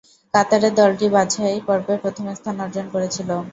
কাতারের দলটি বাছাই পর্বে প্রথম স্থান অর্জন করেছিল।